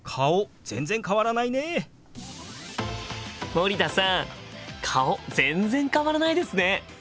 森田さん顔全然変わらないですね！